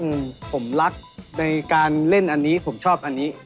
ผมรักในการเล่นอันนี้ผมชอบอันนี้